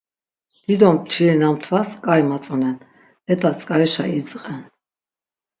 Dido mtviri na mtvas k̆ai matzonen, let̆a tzk̆arişa idzğen.